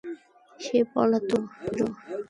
সে পলাতক ছিল।